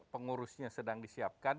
pengurusnya sedang disiapkan